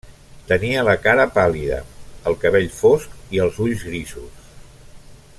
Tenia la cara pàl·lida, el cabell fosc i els ulls grisos.